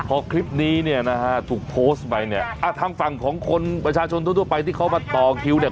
พอคลิปนี้เนี่ยนะฮะถูกโพสต์ไปเนี่ยทางฝั่งของคนประชาชนทั่วไปที่เขามาต่อคิวเนี่ย